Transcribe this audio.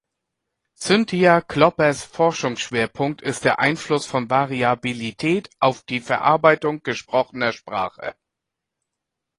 Cynthia Cloppers Forschungsschwerpunkt ist der Einfluss von Variabilität auf die Verarbeitung gesprochener Sprache.